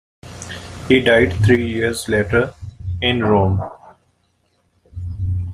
He died three years later in Rome.